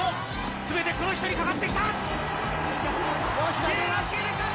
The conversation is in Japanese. すべてこの人にかかってきた。